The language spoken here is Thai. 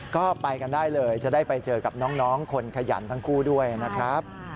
ก็ไปกันได้เลยจะได้ไปเจอกับน้องคนขยันทั้งคู่ด้วยนะครับ